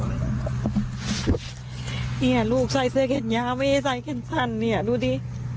เนี่ยลูกใส่เสื้อแขนยาวไม่ได้ใส่แขนสั้นเนี่ยดูดิ